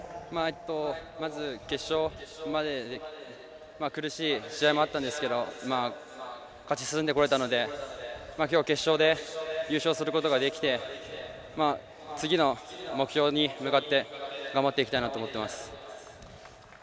まず、決勝まで苦しい試合もあったんですけど勝ち進んでこれたのできょうは決勝で優勝することができて次の目標に向かって頑張っていきたいなと思っています。